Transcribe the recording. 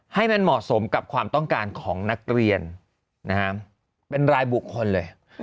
ให้มันเหมาะสมกับความต้องการของนักเรียนเป็นรายบุคคลเลย